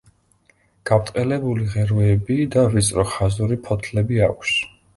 გაბრტყელებული ღეროები და ვიწრო ხაზური ფოთლები აქვს.